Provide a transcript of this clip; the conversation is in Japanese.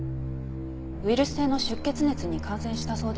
ウイルス性の出血熱に感染したそうです。